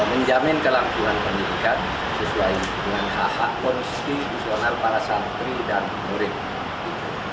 menjamin kelangsungan pendidikan sesuai dengan hak hak konstitusional para santri dan murid